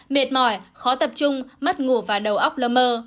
mệt mỏi khó tập trung mất ngủ và đầu óc lơ mơ